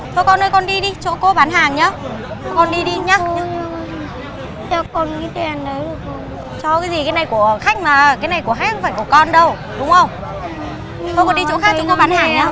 thôi con đi chỗ khác chỗ cô bán hàng nhá